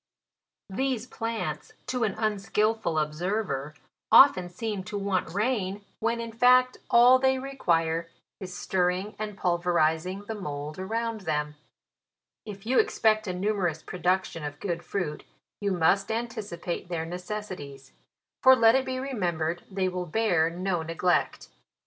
These plants, to an unskilful observer, often seem to want rain, when in fact all they re quire is stirring and pulverizing the mould around them. If you expect a numerous production of good fruit, you must anticipate their necessi ties ; for let it be remembered they will bear no neglect.